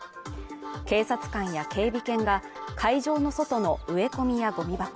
警察官や警備犬が会場の外の植え込みやゴミ箱